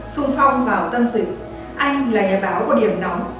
sung phong vào tâm dịch anh là nhà báo có điểm nóng